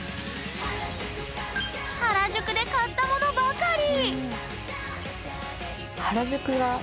原宿で買ったものばかり！